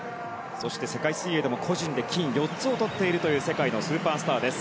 世界水泳でも個人で金４つをとっているという世界のスーパースターです。